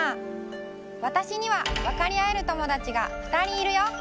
わたしにはわかりあえる友だちがふたりいるよ！